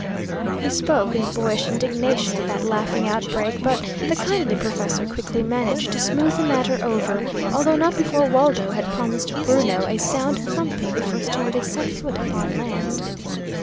He spoke with boyish indignation at that laughing outbreak, but the kindly professor quickly managed to smooth the matter over, although not before Waldo had promised Bruno a sound thumping the first time they set foot upon land.